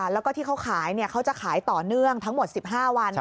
แล้วก็ที่เขาขายเขาจะขายต่อเนื่องทั้งหมด๑๕วัน